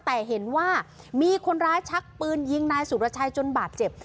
แต่เห็นว่ามีคนร้ายชักปืนยิงนายสุรชัยจนบาดเจ็บ